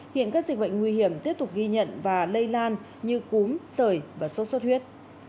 hiện các dịch bệnh nguy hiểm tiếp tục ghi nhận và lây lan như cúm sởi và sốt xuất huyết